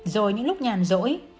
rồi những lúc nhàm rỗi